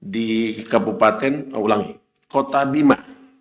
di kabupaten ulangi kota bima